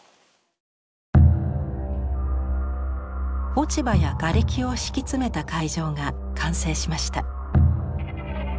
落ち葉や瓦礫を敷き詰めた会場が完成しました。